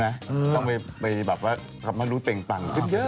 ใช่มั้ยต้องไปรับมันรู้เป็นกันครึ่งเยอะ